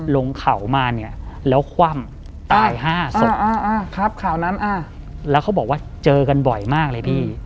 ลงข่าวมาเนี่ยแล้วคว่ำตาย๕ศพแล้วเขาบอกว่าเจอกันบ่อยมากเลยพี่